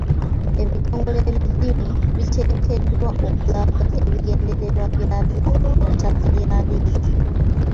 Ebitongole by'eddiini biteekeddwa okulaga ebigendererwa byabyo ku ttaka lya liizi.